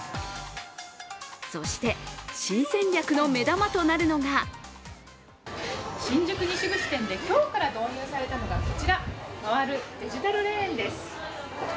そして新戦略の目玉となるのが新宿西口店で今日から導入されたのがこちら、回るデジタルレーンです。